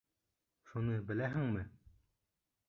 Шуны беләһеңме?